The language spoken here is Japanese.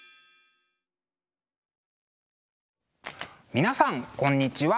皆さんこんにちは。